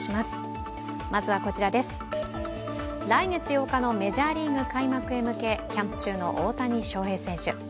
来月８日のメジャーリーグ開幕へ向けキャンプ中の大谷翔平選手。